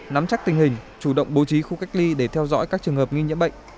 nắm chắc tình hình chủ động bố trí khu cách ly để theo dõi các trường hợp nghi nhiễm bệnh